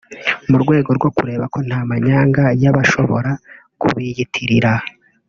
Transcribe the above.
mu rwego rwo kureba ko nta manyanga y’abashobora kubiyitirira